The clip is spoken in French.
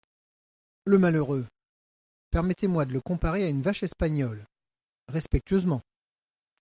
Le malheureux ! permettez-moi de le comparer à une vache espagnole… respectueusement !